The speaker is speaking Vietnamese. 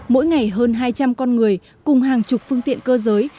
mỗi ngày hơn hai trăm linh con người cùng hàng chục phương tiện cơ giới